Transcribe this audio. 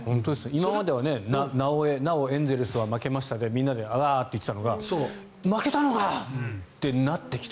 今までは「なおエ」なおエンゼルスは負けましたでみんなであーって言っていたのが負けたのか！ってなってきた。